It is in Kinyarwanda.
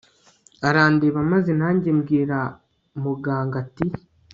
arandeba maze nanjye mbwira muganga ati